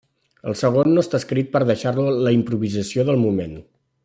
El segon no està escrit per deixar-lo la improvisació del moment.